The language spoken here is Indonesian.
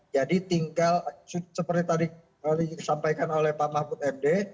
jadi tinggal seperti tadi disampaikan oleh pak mahfud md